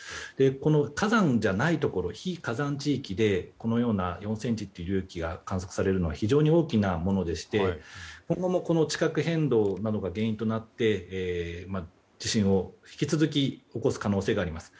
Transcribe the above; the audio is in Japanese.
この火山じゃないところ非火山地域でこのような４ｃｍという隆起が観測されるのは非常に大きなものでして今後もこの地殻変動などが原因となって、地震を引き続き起こす可能性があります。